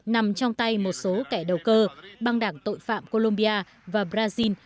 nằm trong tay một số kẻ đầu cơ băng đảng tội phạm colombia và brazil